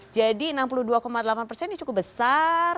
jadi enam puluh dua delapan persen ini cukup besar